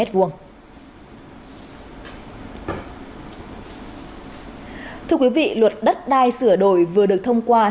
thưa quý vị luật đất đai sửa đổi vừa được thông qua